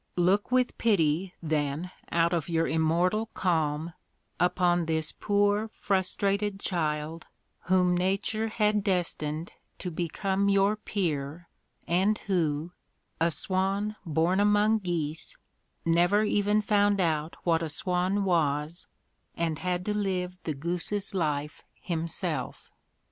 Look with pity, then, out of your immortal calm, upon this poor frus trated child whom nature had destined to become your peer and who, a swan born among geese, never even found out what a swan was and had to live the goose's life himself